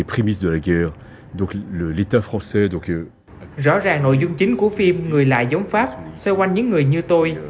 rõ ràng nội dung chính của phim người lại giống pháp xoay quanh những người như tôi